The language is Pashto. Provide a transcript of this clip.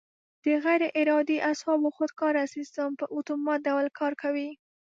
د غیر ارادي اعصابو خودکاره سیستم په اتومات ډول کار کوي.